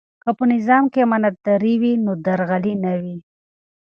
که په نظام کې امانتداري وي نو درغلي نه وي.